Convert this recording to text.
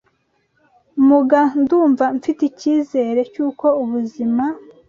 Muga ndumva mfite icyizere cy’uko ubuzima